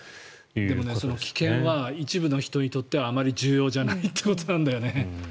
でもその危険は一部の人にとってはあまり重要じゃないということなんだよね。